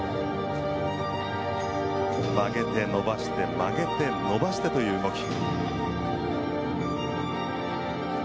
曲げて伸ばして曲げて伸ばしてという動き。